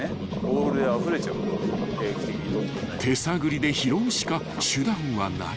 ［手探りで拾うしか手段はない］